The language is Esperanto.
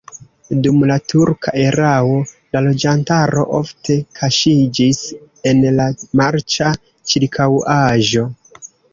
Dum la turka erao la loĝantaro ofte kaŝiĝis en la marĉa ĉirkaŭaĵo.